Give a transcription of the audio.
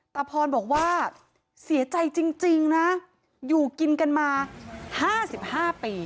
ตาพรบอกว่าเสียใจจริงจริงนะอยู่กินกันมาห้าสิบห้าปี